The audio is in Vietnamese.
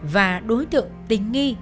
và đối tượng tỉnh nghi